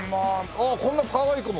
ああこんなかわいい子も。